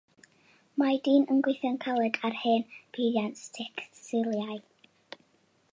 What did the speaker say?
Mae dyn yn gweithio'n galed ar hen beiriant tecstilau